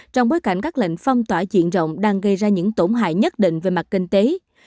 trong bối cảnh các lệnh phong tỏa diện rộng đang gây ra những tổn hại nhất định về mặt kinh tế